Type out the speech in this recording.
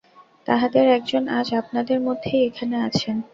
তাঁহাদের একজন আজ আপনাদের মধ্যেই এখানে আছেন।